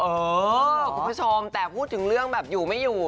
เออคุณผู้ชมแต่พูดถึงเรื่องแบบอยู่ไม่อยู่